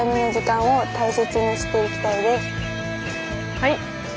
はい！